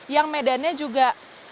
yang medannya juga